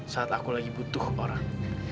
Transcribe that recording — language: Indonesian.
saat aku lagi butuh orang